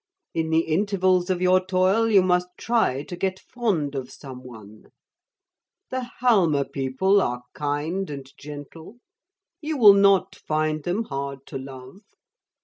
In the intervals of your toil you must try to get fond of some one. The Halma people are kind and gentle. You will not find them hard to love.